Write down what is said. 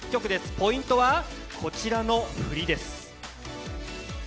ポイントはこちらの振りです。